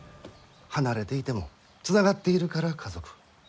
離れていてもつながっているから家族。